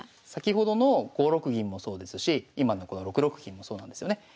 先ほどの５六銀もそうですし今のこの６六金もそうなんですよね。